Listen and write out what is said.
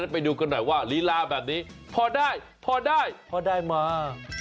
ไปดูกันหน่อยว่าลีลาแบบนี้พอได้พอได้พอได้มา